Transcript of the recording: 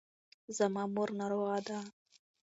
زما مور ناروغه ده.